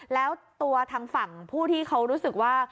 แล้วตัวทางฝั่งผู้ที่เขารู้สึกว่า